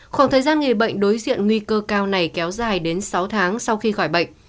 khoảng thời gian người bệnh đối diện nguy cơ cao này kéo dài đến sáu tháng sau khi khỏi bệnh